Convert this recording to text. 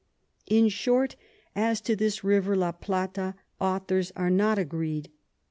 In short, as to this River La Plata, Authors are not agreed.